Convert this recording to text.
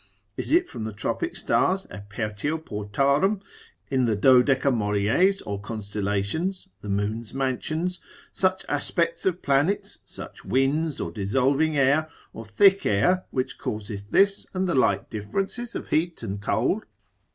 Is it from tropic stars, apertio portarum, in the dodecotemories or constellations, the moon's mansions, such aspects of planets, such winds, or dissolving air, or thick air, which causeth this and the like differences of heat and cold?